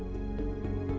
sekarang kamu mati ranti